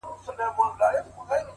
د ځوانيمرگي ښکلا زور’ په سړي خوله لگوي’